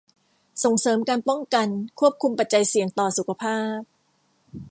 ส่งเสริมการป้องกันควบคุมปัจจัยเสี่ยงต่อสุขภาพ